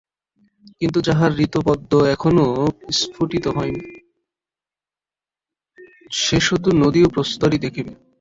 কিন্তু যাহার হৃৎপদ্ম এখনও প্রস্ফুটিত হয় নাই, সে শুধু নদী ও প্রস্তরই দেখিবে।